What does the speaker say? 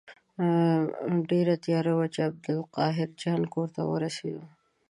ډېره تیاره وه چې عبدالقاهر جان کور ته ورسېدو.